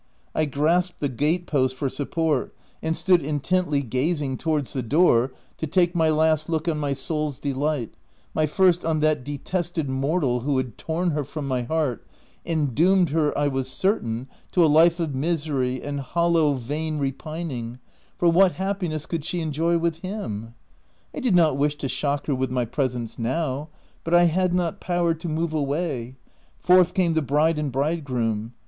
I grasped the gate post for support, and stood intently OF WILDFELL HALL. 28? gazing towards the door to take my last look on my soul's delight, my first on that detested mortal who had torn her from my heart, and doomed her, I was certain, to a life of misery and hollow, vain repining — for what happiness could she enjoy with him? I did not wish to shock her with my presence now, but I had not power to move away. Forth came the bride and bridegroom.